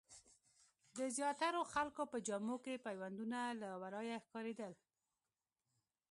د زیاترو خلکو په جامو کې پیوندونه له ورايه ښکارېدل.